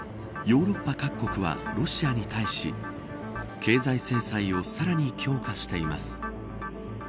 ヨーロッパ各国はロシアに対し経済制裁をさらに強化しています。